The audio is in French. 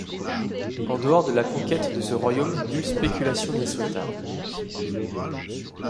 En dehors de la conquête de ce Royaume, nulle spéculation n'est souhaitable.